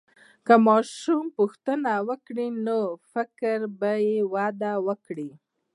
که ماشوم پوښتنه وکړي، نو فکر به وده وکړي.